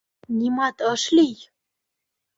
Нимат ыш лий?